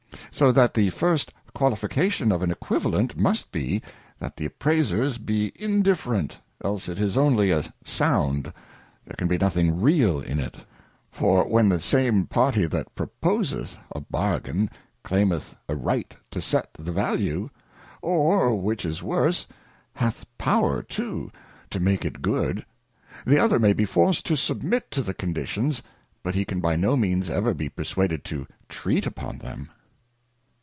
So that the first Qualification of an Equivalent, must be, that the Appraisers be indifferent, else it is only a Sound, there can be nothing real in it : For, where the same party that proposeth a Bargain, claimeth a Right to set the Value ; or which is worse, hath power too to make io6 The Anatomy of an Equivalent, make it good, the other may be forced to submit to the Conditions, but he can by no means ever be perswaded to treat upon them.